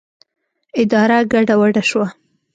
اداره ګډه وډه شوه.